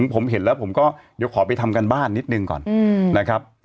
ผมเห็นแล้วผมก็เดี๋ยวขอไปทำการบ้านนิดนึงก่อนนะครับ